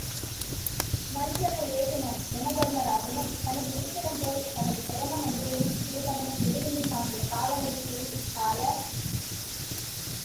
நன்றென ஏகினன் யமதருமராஜனும், தனது இருப்பிடம் போய்த் தனது பிரதம மந்திரியும் தூதனும் பிரதிநிதியுமாகிய காலனைக் கூவி கால!